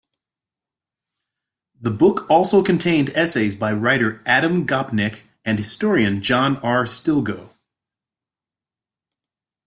The book also contained essays by writer Adam Gopnik and historian John R. Stilgoe.